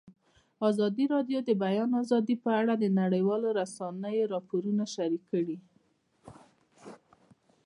ازادي راډیو د د بیان آزادي په اړه د نړیوالو رسنیو راپورونه شریک کړي.